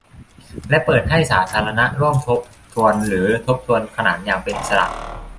และเปิดให้สาธารณะร่วมทบทวนหรือทบทวนขนานอย่างเป็นอิสระ